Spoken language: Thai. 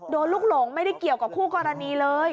ลูกหลงไม่ได้เกี่ยวกับคู่กรณีเลย